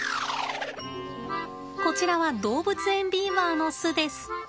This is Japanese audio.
こちらは動物園ビーバーの巣です。